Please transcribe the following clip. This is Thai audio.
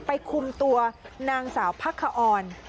ไปคุมตัวนางสาวพักฮอร์น